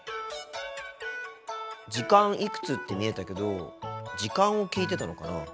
「時間いくつ」って見えたけど時間を聞いてたのかな？